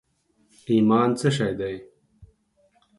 ایمان څه شي دي؟